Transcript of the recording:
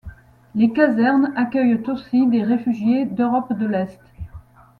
Les casernes accueillent aussi des réfugiés d'Europe de l'est.